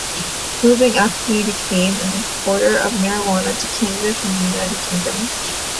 Moving up he became an importer of marijuana to Canada from the United Kingdom.